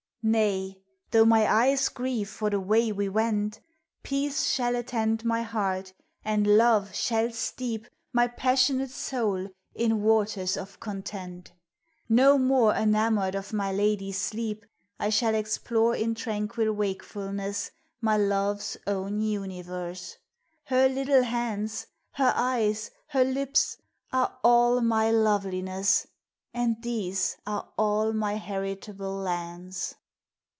Nay, though my eyes grieve for the way we went, Peace shall attend my heart and love shall steep My passionate soul in waters of content ; No more enamoured of my lady Sleep 133 THE LAST SERENADE I shall explore in tranquil wakefulness My love's own universe ; her little hands, Her eyes, her lips, are all my loveliness, And these are all my heritable lands.